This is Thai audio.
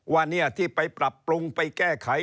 ว่าที่ไปปรับปรุงไปแก้ไข